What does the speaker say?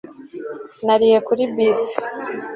Nariye kuri bisi